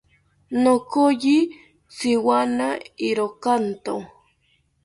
Nokoyi tziwana irakanto